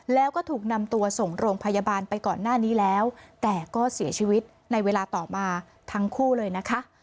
แล้วก็ถูกนำตัวส่งโรงพยาบาลไปก่อนหน้านี้แล้วแต่ก็เสียชีวิตในเวลาต่อมาทั้งคู่เลยนะคะ